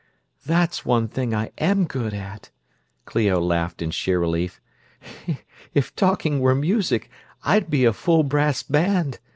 "That's one thing I am good at!" Clio laughed in sheer relief. "If talking were music, I'd be a full brass band!"